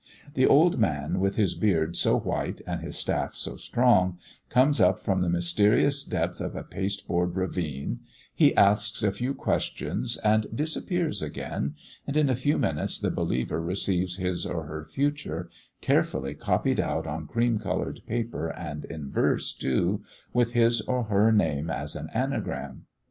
The old man, with his beard so white and his staff so strong, comes up from the mysterious depth of a pasteboard ravine; he asks a few questions and disappears again, and in a few minutes the believer receives his or her Future, carefully copied out on cream coloured paper, and in verses, too, with his or her name as an anagram.